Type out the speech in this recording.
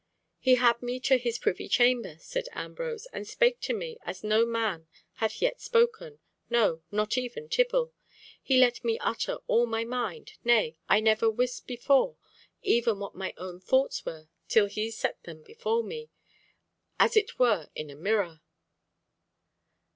"He had me to his privy chamber," said Ambrose, "and spake to me as no man hath yet spoken—no, not even Tibble. He let me utter all my mind, nay, I never wist before even what mine own thoughts were till he set them before me—as it were in a mirror."